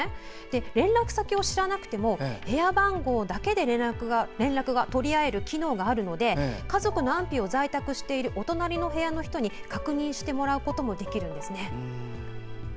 連絡先を知らなくても部屋番号だけで連絡が取り合える機能があるので家族の安否を在宅しているお隣の部屋の人に確認してもらうこともできるんです。